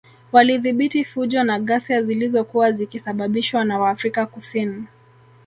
Walidhibiti fujo na ghasia zilozokuwa zikisababishwa na waafrika Kusin